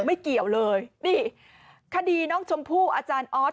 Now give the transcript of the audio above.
ไม่เกี่ยวเลยนี่คดีน้องชมพู่อาจารย์ออส